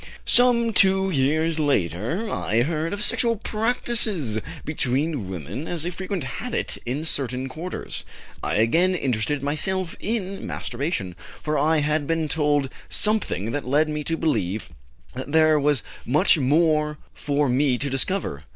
"Some two years later I heard of sexual practices between women as a frequent habit in certain quarters. I again interested myself in masturbation, for I had been told something that led me to believe that there was much more for me to discover.